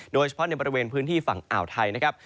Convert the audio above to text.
โดยเฉพาะในบริเวณพื้นที่ฝั่งอ่าวไทยนะครับ